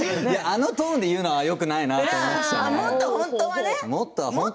あのトーンで言うのはよくないなと思いましたね。